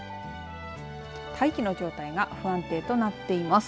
大気の状態が不安定となっています。